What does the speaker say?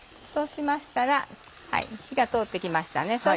そうしましたら火が通って来ましたね。